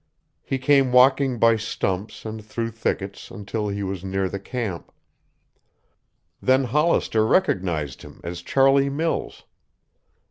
He came walking by stumps and through thickets until he was near the camp. Then Hollister recognized him as Charlie Mills.